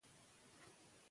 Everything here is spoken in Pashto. سړی د خپلې کورنۍ مشر دی.